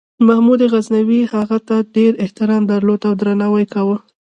محمود غزنوي هغه ته ډېر احترام درلود او درناوی یې کاوه.